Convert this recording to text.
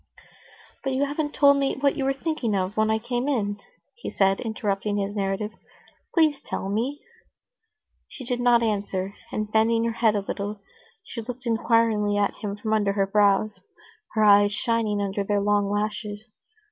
"But you haven't told me what you were thinking of when I came in," he said, interrupting his narrative; "please tell me!" She did not answer, and, bending her head a little, she looked inquiringly at him from under her brows, her eyes shining under their long lashes.